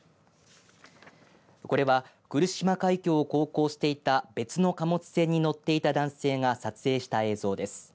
これは来島海峡を航行していた別の貨物船に乗っていた男性が撮影した映像です。